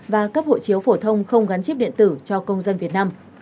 và cấp hộ chiếu phổ thông không gắn chip điện tử cho công dân việt nam